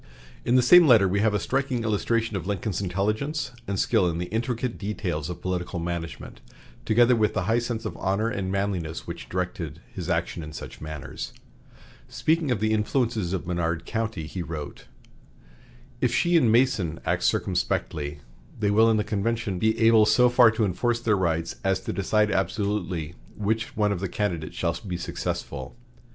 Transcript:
In the same letter we have a striking illustration of Lincoln's intelligence and skill in the intricate details of political management, together with the high sense of honor and manliness which directed his action in such matters. Speaking of the influences of Menard County, he wrote: "If she and Mason act circumspectly, they will in the convention be able so far to enforce their rights as to decide absolutely which one of the candidates shall be successful.